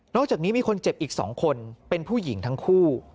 อกจากนี้มีคนเจ็บอีก๒คนเป็นผู้หญิงทั้งคู่